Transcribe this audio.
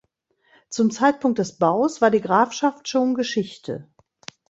Zum Zeitpunkt des Baus war die Grafschaft schon Geschichte.